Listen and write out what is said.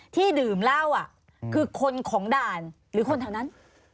ที่ดื่มเหล้าคือคนของด่านหรือคนแถวนั้น